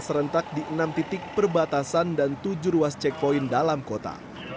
serentak di enam titik perbatasan dan tujuh ruas checkpoint dalam kota